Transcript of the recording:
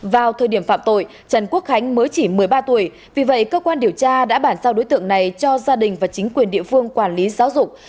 vào thời điểm phạm tội trần quốc khánh mới chỉ một mươi ba tuổi vì vậy cơ quan điều tra đã bản sao đối tượng này cho gia đình và chính quyền địa phương quản lý giáo dục